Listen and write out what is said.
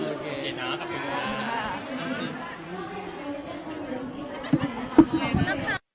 โอเคนะครับทุกคน